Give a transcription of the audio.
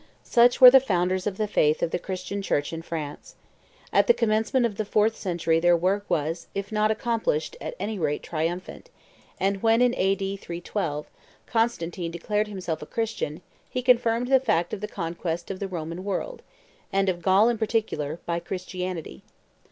Such were the founders of the faith and of the Christian Church in France. At the commencement of the fourth century their work was, if not accomplished, at any rate triumphant; and when, A.D. 312, Constantine declared himself a Christian, he confirmed the fact of the conquest of the Roman world, and of Gaul in particular, by Christianity.